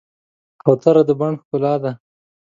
کوتره د بڼ ښکلا ده.